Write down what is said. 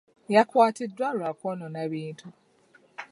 Yakwatiddwa lwa kwonoona bintu.